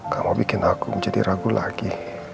kalau bikin aku menjadi ragu lagi